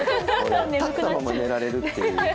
立ったまま寝られるという。